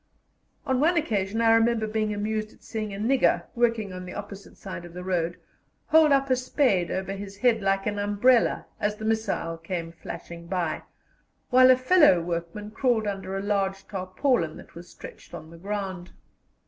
On one occasion I remember being amused at seeing a nigger, working on the opposite side of the road, hold up a spade over his head like an umbrella as the missile came flashing by, while a fellow workman crawled under a large tarpaulin that was stretched on the ground.